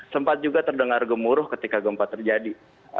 sempat juga terdengar gemuruh ketika gempa terjadi